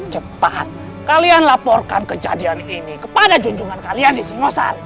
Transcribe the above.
cepat kalian laporkan kejadian ini kepada junjungan kalian di singosari